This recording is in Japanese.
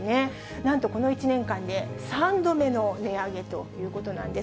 なんとこの１年間で３度目の値上げということなんです。